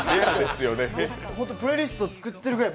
プレイリスト作ってるぐらい